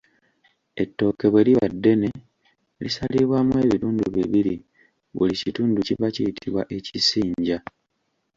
Ettooke bwe liba eddene lisalibwamu ebitundu bibiri; buli kitundu kiba kiyitibwa ekisinja.